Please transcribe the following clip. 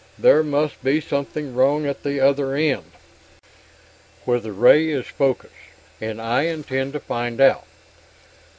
There must be something wrong at the other end where the Ray is focussed! And I intend to find out!"